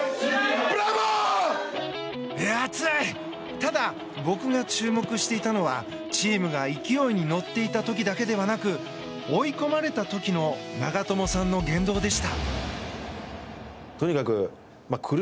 ただ、僕が注目していたのはチームが勢いに乗っていた時だけではなく追い込まれた時の長友さんの言動でした。